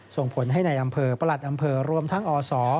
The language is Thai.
ส่งผลให้ในอำเภอประหลัดอำเภอรวมทั้งอศ